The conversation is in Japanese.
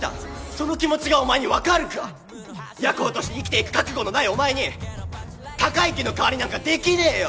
その気持ちがお前に分かるか⁉夜行として生きていく覚悟のないお前に孝之の代わりなんかできねえよ！